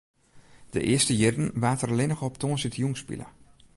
De earste jierren waard der allinne op tongersdeitejûn spile.